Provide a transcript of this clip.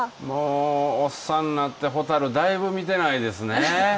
おっさんなって蛍、だいぶ見てないですね。